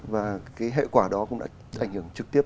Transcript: và cái hệ quả đó cũng đã ảnh hưởng trực tiếp